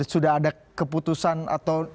sudah ada keputusan atau